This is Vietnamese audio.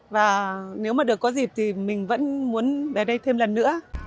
và nếu mà được có dịp thì mình vẫn muốn về đây thêm lần nữa